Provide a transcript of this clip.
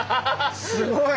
すごい！